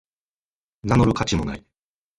名乗る価値もない